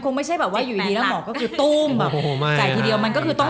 คงไม่ใช่อ่ะอยู่ดีมนต์ก็คือ